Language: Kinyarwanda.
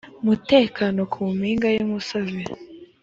mutekano ku mpinga y umusozi